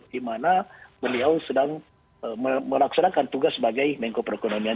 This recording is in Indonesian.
di mana beliau sedang melaksanakan tugas sebagai mengkoperkonomian